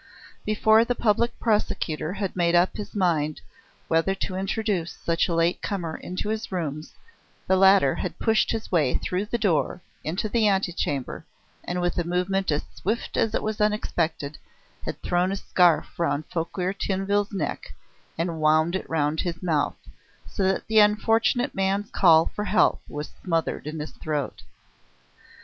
Before the Public Prosecutor had made up his mind whether to introduce such a late comer into his rooms, the latter had pushed his way through the door into the ante chamber, and with a movement as swift as it was unexpected, had thrown a scarf round Fouquier Tinville's neck and wound it round his mouth, so that the unfortunate man's call for help was smothered in his throat.